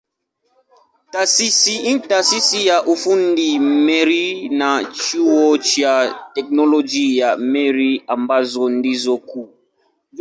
Taasisi ya ufundi Meru na Chuo cha Teknolojia ya Meru ambazo ndizo kuu.